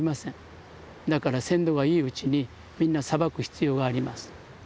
だから鮮度がいいうちにみんなさばく必要があります。